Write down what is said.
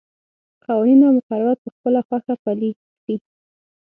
قوانین او مقررات په خپله خوښه پلي کړي.